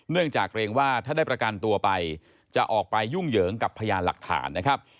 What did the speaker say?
จากเกรงว่าถ้าได้ประกันตัวไปจะออกไปยุ่งเหยิงกับพยานหลักฐานนะครับ